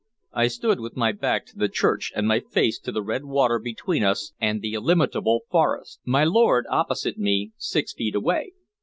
I stood with my back to the church, and my face to the red water between us and the illimitable forest; my lord opposite me, six feet away.